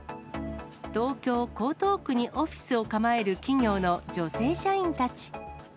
東京・江東区にオフィスを構える企業の女性社員たち。